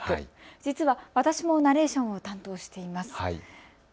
実は私もナレーションを担当しています。